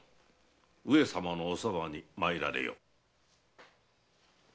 上様のお側に参られよ。